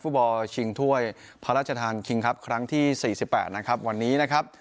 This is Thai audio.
ฟุตบอลชิงถ้วยพระราชทางครั้งที่สี่สิบแปดนะครับวันนี้นะครับ